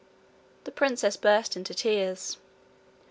The princess burst into tears.